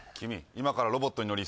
今からロボットに乗り